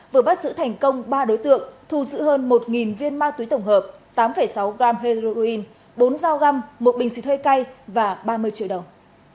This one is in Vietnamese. vừa bắt giữ thành công ba đối tượng thu giữ hơn một viên ma túy tổng hợp tám sáu g heroin bốn dao găm một bình xịt hơi cay và ba mươi triệu đồng